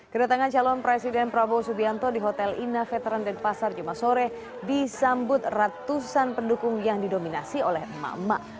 kedatangan calon presiden prabowo subianto di hotel ina veteran denpasar jumat sore disambut ratusan pendukung yang didominasi oleh emak emak